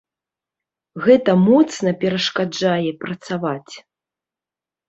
Гэта моцна перашкаджае працаваць!